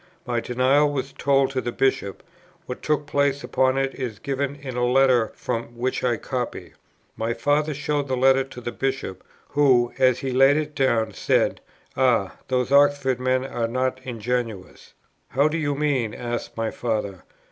My denial was told to the Bishop; what took place upon it is given in a letter from which I copy. "My father showed the letter to the Bishop, who, as he laid it down, said, 'Ah, those Oxford men are not ingenuous.' 'How do you mean?' asked my father.